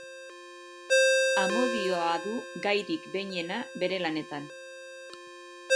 Amodioa du gairik behinena bere lanetan.